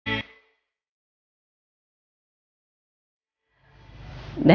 gimana dengan wawan